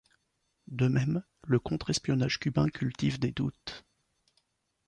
De même, le contre-espionnage cubain cultive des doutes.